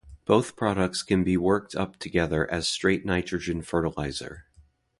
Both products can be worked up together as straight nitrogen fertilizer.